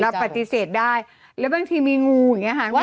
เราปฏิเสธได้แล้วบางทีมีงูอย่างนี้หา